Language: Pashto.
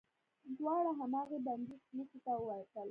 دواړه هماغې بندې سمڅې ته ووتل.